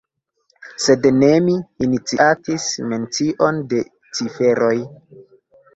Sed ne mi iniciatis mencion de ciferoj.